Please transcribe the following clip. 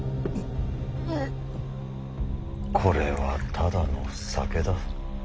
これはただの酒だ。